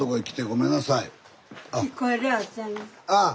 ああ。